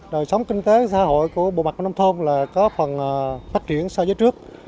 đời sống kinh tế xã hội của bộ mặt nông thôn là có phần phát triển so với trước